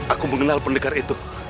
aku mengenal pendekar itu